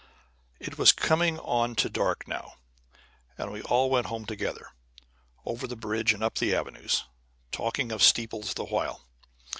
It was coming on to dark now, and we all went home together, over the bridge and up the avenues, talking of steeples the while.